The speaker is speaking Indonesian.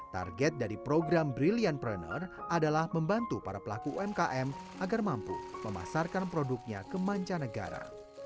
target dari program brilliant proneur adalah membantu para pelaku umkm agar mampu memasarkan produknya ke manca negara